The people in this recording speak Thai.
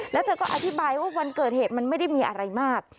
แล้วเธอก็อธิบายว่าวันเกิดเหตุมันไม่ได้มีอะไรมาก